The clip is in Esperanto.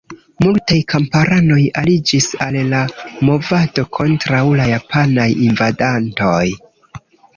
Multaj kamparanoj aliĝis al la movado kontraŭ la japanaj invadantoj.